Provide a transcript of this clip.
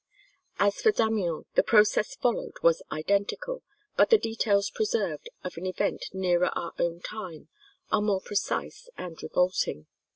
As for Damiens, the process followed was identical, but the details preserved of an event nearer our own time are more precise and revolting.